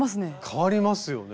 変わりますよね。